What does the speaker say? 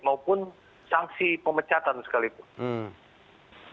ataupun sanksi pemecatan sekalipun